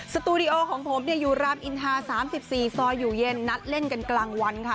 สตูดิโอของผมอยู่รามอินทา๓๔ซอยอยู่เย็นนัดเล่นกันกลางวันค่ะ